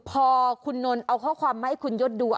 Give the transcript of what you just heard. พอคุณนนท์เอาข้อความมาให้คุณยศดู